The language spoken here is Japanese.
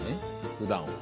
普段は。